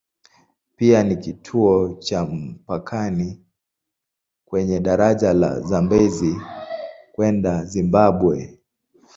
Pia ni kituo cha mpakani kwenye daraja la Zambezi kwenda Zimbabwe.